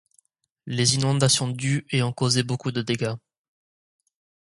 Les inondations du et ont causé beaucoup de dégâts.